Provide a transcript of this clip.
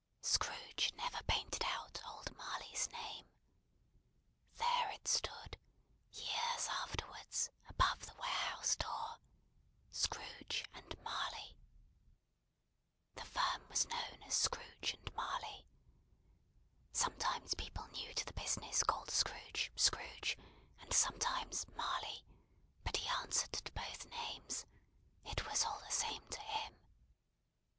Scrooge never painted out Old Marley's name. There it stood, years afterwards, above the warehouse door: Scrooge and Marley. The firm was known as Scrooge and Marley. Sometimes people new to the business called Scrooge Scrooge, and sometimes Marley, but he answered to both names. It was all the same to him.